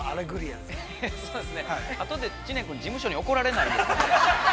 ◆そうですね、あとで知念君、事務所に怒られないですかね。